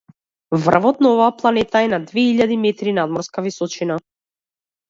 Врвот на оваа планина е на две илјади метри надморска височина.